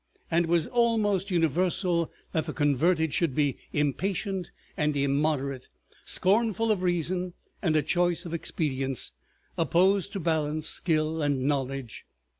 And it was almost universal that the converted should be impatient and immoderate, scornful of reason and a choice of expedients, opposed to balance, skill, and knowledge.